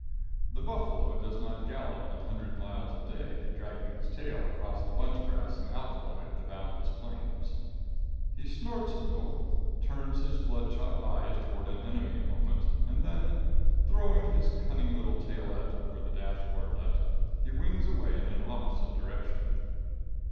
The buffalo does not gallop an hundred miles a day, dragging his tail across the bunch grass and alkali of the boundless plains. [Illustration: AN UNEQUAL MATCH.] He snorts a little, turns his bloodshot eyes toward the enemy a moment and then, throwing his cunning little taillet over the dash boardlet, he wings away in an opposite direction.